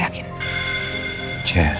apakah penyakit anda tersebut